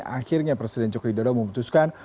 akhirnya presiden jokowi dodo memutuskan